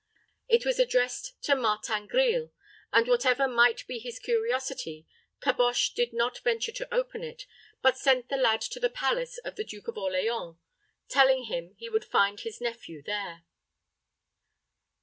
It was addressed "To Martin Grille;" and, whatever might be his curiosity, Caboche did not venture to open it, but sent the lad on to the palace of the Duke of Orleans, telling him he would find his nephew there.